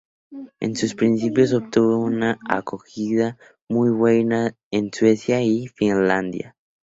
En sus principios obtuvo una acogida muy buena en Suecia y Finlandia.